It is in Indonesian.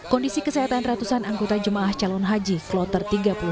kondisi kesehatan ratusan anggota jemaah calon haji kloter tiga puluh enam